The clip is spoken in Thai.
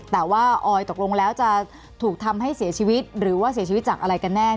แต่ว่าออยตกลงแล้วจะถูกทำให้เสียชีวิตหรือว่าเสียชีวิตจากอะไรกันแน่